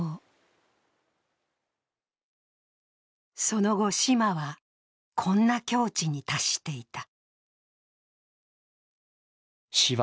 その後、島はこんな境地に達していた。